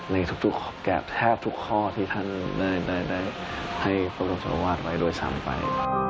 ในแคบทุกข้อที่ท่านได้ให้ประกอบจำวันไว้โดยซ้ำไป